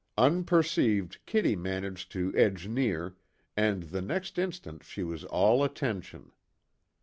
Unperceived, Kitty managed to edge near, and the next instant she was all attention.